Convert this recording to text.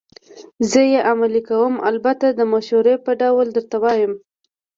زه یې عملي کوم، البته د مشورې په ډول درته وایم.